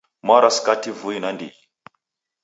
Mwarwa skati vui nandighi